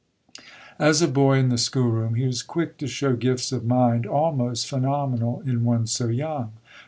As a boy in the schoolroom he was quick to show gifts of mind almost phenomenal in one so young.